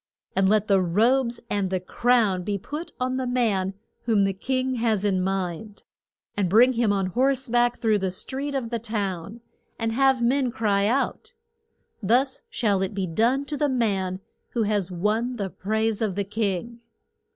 And let the robes and the crown be put on the man whom the king has in mind, and bring him on horse back through the street of the town, and have men cry out, Thus shall it be done to the man who has won the praise of the king.